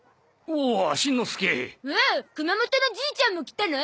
おお熊本のじいちゃんも来たの？